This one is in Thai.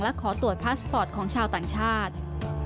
และขอตรวจพาสปอร์ตของชาวต่างชาติ